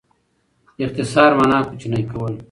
اختصار مانا؛ کوچنی کول.